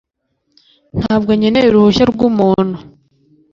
Ntabwo nkeneye uruhushya rw'umuntu